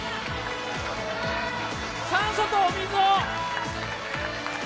酸素とお水を。